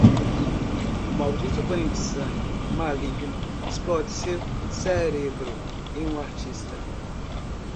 Um maldito banho de sangue maligno explode seu cérebro em um artista.